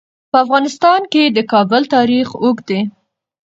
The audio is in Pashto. په افغانستان کې د کابل تاریخ اوږد دی.